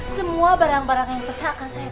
semua barang barang yang berseakan saya ganti